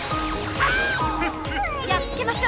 やっつけましょ！